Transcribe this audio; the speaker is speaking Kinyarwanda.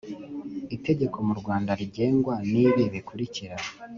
itegeko mu Rwanda rigengwa n ibi bikurikira